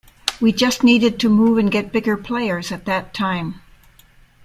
We just needed to move and get bigger players at that time.